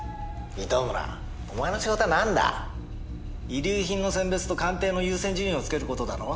糸村お前の仕事はなんだ？遺留品の選別と鑑定の優先順位をつける事だろ？